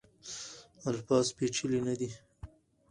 الفاظ پیچلي نه دي.